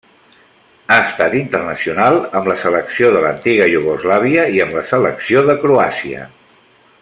Ha estat internacional amb la selecció de l'antiga Iugoslàvia i amb la selecció de Croàcia.